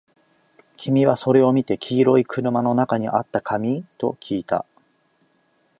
君はそれを見て、黄色い車の中にあった紙？ときいた